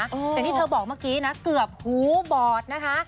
อย่างที่เธอบอกเมื่อกี้นะเกือบหูบอดนะคะ